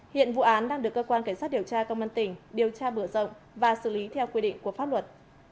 hiện vụ án đang được cơ quan cảnh sát điều tra công an tỉnh điều tra mở rộng và xử lý theo quy định của pháp luật